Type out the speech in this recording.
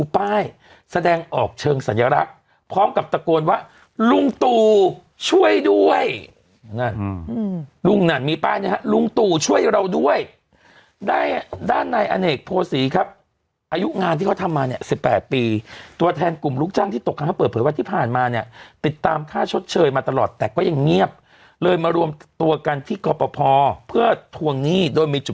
พร้อมกับตะโกนว่าลุงตู่ช่วยด้วยอืมอืมลุงน่ะมีป้านเนี้ยครับลุงตู่ช่วยเราด้วยได้ด้านในอเนกโภษีครับอายุงานที่เขาทำมาเนี้ยสิบแปดปีตัวแทนกลุ่มลูกจ้างที่ตกคำให้เปิดเผยวันที่ผ่านมาเนี้ยปิดตามค่าชดเชยมาตลอดแต่ก็ยังเงียบเลยมารวมตัวกันที่ก็พอพอเพื่อทวงงี้โดยมีจุ